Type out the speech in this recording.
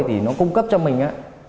thì nó cung cấp cho mình